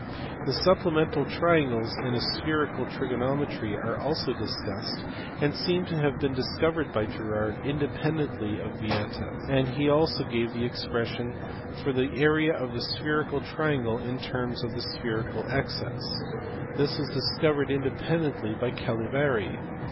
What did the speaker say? The supplemental triangles in spherical trigonometry are also discussed and seem to have been discovered by Girard, independently of Vie%a ; he also gave the expression for the area of a spherical triangle in terms of the spherical excess this was discovered independently by Cavalieri.